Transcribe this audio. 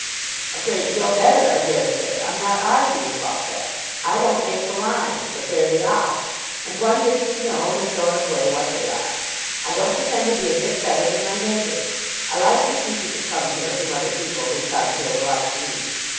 "A great deal better, I dare say. I'm not arguing about that. I don't make the lines; but there they are; and one gets to know in a sort of way what they are. I don't pretend to be a bit better than my neighbours. I like to see people come here whom other people who come here will like to meet.